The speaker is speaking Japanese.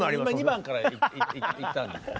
２番からいったんですね。